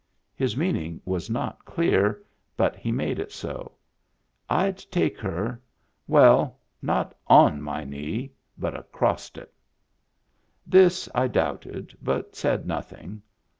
His meaning was not clear; but he made it so: " I'd take her — well, not on my knee, but acrost it." This I doubted, but said nothing.